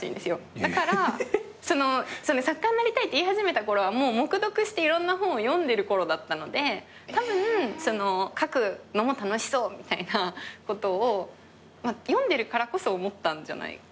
だから作家になりたいって言い始めたころはもう黙読していろんな本を読んでるころだったのでたぶん書くのも楽しそうみたいなことを読んでるからこそ思ったんじゃないかな？